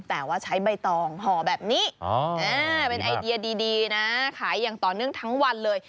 แต่ว่าใช้ใบตองห่อแบบนี้เป็นไอเดียดีนะขายอย่างต่อเนื่องทั้งวันเลย